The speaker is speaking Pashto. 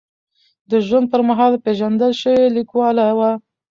د ژوند پر مهال پېژندل شوې لیکواله وه.